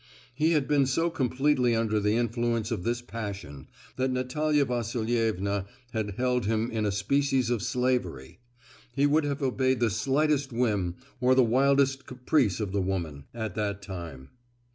He had been so completely under the influence of this passion, that Natalia Vasilievna had held him in a species of slavery. He would have obeyed the slightest whim or the wildest caprice of the woman, at that time.